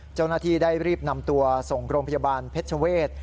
เจ้าหน้าที่ได้รีบนำตัวส่งโรงพยาบาลเพชรเวศ